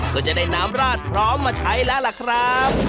ก็จะได้น้ำราดพร้อมมาใช้แล้วล่ะครับ